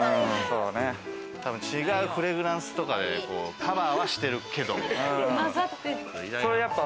多分違うフレグランスとかでカバーはしてるけど。